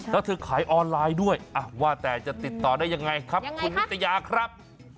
แล้วเธอขายออนไลน์ด้วยว่าแต่จะติดต่อได้ยังไงครับคุณนิตยาครับ